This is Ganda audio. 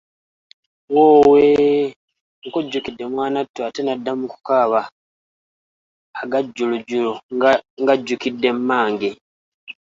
Woowe, nkujjukidde mwanattu ate n'adda mu kukaaba aga jjulujjulu ng'ajjukidde mmange.